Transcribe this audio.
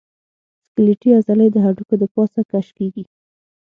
سکلیټي عضلې د هډوکو د پاسه کش کېږي.